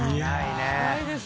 ないです。